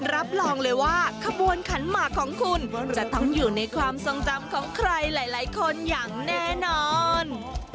รับรองเลยว่าขบวนขันหมากของคุณจะต้องอยู่ในความทรงจำของใครหลายคนอย่างแน่นอน